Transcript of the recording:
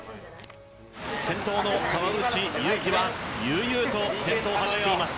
先頭の川内優輝は、悠々と先頭を走っています。